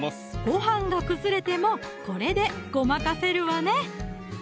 ご飯が崩れてもこれでごまかせるわね